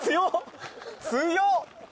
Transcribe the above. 強っ。